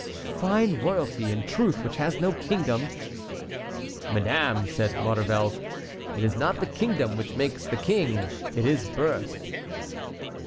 "Fine royalty, in truth, which has no kingdom." "Madame," said Maurevel, "it is not the kingdom which makes the king: it is birth."